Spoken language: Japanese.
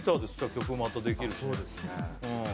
そうですね